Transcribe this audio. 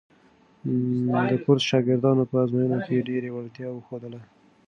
د کورس شاګردانو په ازموینو کې ډېره وړتیا وښودله.